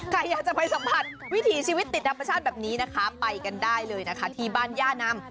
ใครอยากจะไปสัมผัสวิถีชีวิตติดธรรมชาติแบบนี้นะคะไปกันได้เลยนะคะที่บ้านย่านำ